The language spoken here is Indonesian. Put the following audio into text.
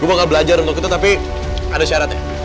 gua bakal belajar untuk itu tapi ada syaratnya